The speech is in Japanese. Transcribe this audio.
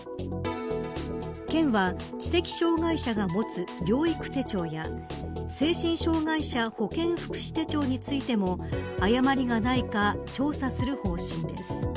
県は、知的障害者が持つ療育手帳や精神障害者保健福祉手帳についても誤りがないか調査する方針です。